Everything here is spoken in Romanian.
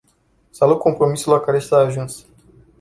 Salut compromisul la care s-a ajuns.